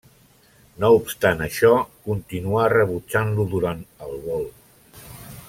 No obstant això, continua rebutjant-lo durant el vol.